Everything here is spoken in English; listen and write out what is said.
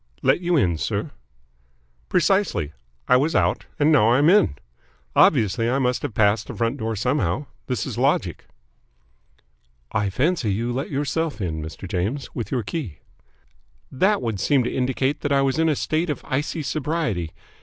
"Let you in, sir?" "Precisely. I was out and now I am in. Obviously I must have passed the front door somehow. This is logic." "I fancy you let yourself in, Mr. James, with your key." "That would seem to indicate that I was in a state of icy sobriety.